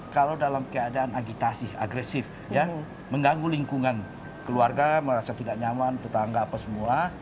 kalau dalam keadaan agitasi agresif ya mengganggu lingkungan keluarga merasa tidak nyaman tetangga apa semua